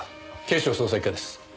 警視庁捜査一課です。